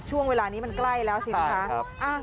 ช่วงเวลานี้มันใกล้แล้วสินะคะ